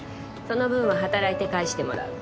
その分は働いて返してもらう。